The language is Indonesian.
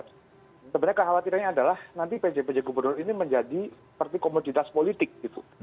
sebenarnya kekhawatirannya adalah nanti pj pj gubernur ini menjadi seperti komoditas politik gitu